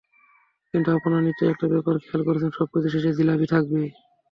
কিন্তু আপনারা নিশ্চয়ই একটা ব্যাপার খেয়াল করেছেন, সবকিছুর শেষে জিলাপি থাকবেই।